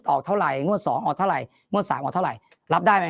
ออกเท่าไหร่งวด๒ออกเท่าไหร่งวด๓ออกเท่าไหร่รับได้ไหม